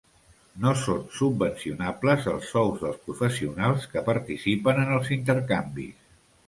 No són subvencionables els sous dels professionals que participen en els intercanvis.